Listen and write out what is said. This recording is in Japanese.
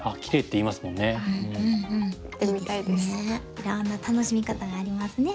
いろんな楽しみ方がありますね。